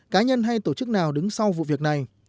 cá nhân hay tổ chức nào đứng sau vụ việc này